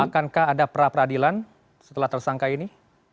akankah ada pra peradilan setelah tersangka ini